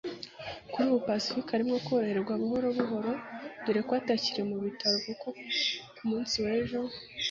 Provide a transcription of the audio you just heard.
Kuri ubu Pacifique arimo koroherwa buhoro buhoro dore ko atakiri mu bitaro kuko ku munsi w’ejo